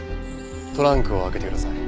トランクを開けてください。